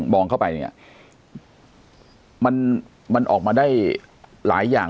เข้าไปเนี่ยมันออกมาได้หลายอย่าง